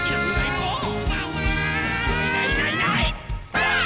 ばあっ！